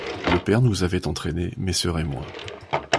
Le père nous avait entraînés, mes sœurs et moi.